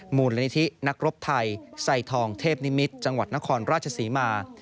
มูลนิธินักรบไทยไซทองเทพนิมิตรจังหวัดนครราชศรีมา